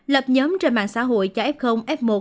lập nhóm trên mạng xã hội cho f f một